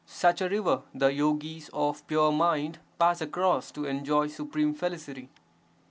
Such a river the yogis of pure mind pass across to enjoy supreme felicity.